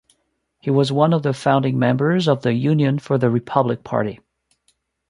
He was one of the founding members of the Union for the Republic party.